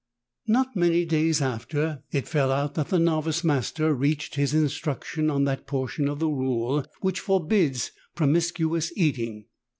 Not many days after, it fell out that the novice master reached his instruction on that portion of the Rule which forbids promiscuous eating.